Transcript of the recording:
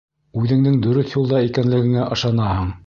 Үҙеңдең дөрөҫ юлда икәнлегеңә ышанаһың.